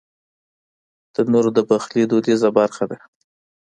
تنور د پخلي دودیزه برخه ده